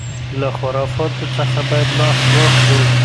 له خرافاتو څخه بايد لاس واخلو.